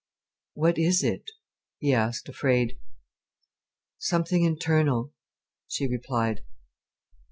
"What is it?" he asked, afraid. "Something internal," she replied.